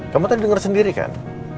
kamu kan denger sendiri kan